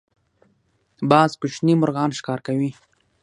باز کوچني مرغان ښکار کوي